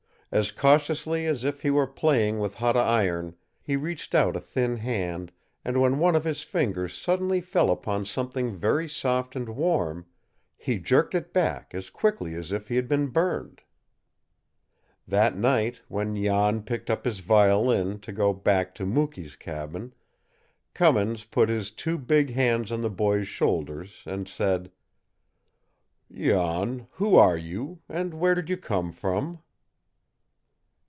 As cautiously as if he were playing with hot iron, he reached out a thin hand, and when one of his fingers suddenly fell upon something very soft and warm, he jerked it back as quickly as if he had been burned. That night, when Jan picked up his violin to go back to Mukee's cabin, Cummins put his two big hands on the boy's shoulders and said: "Jan, who are you, and where did you come from?"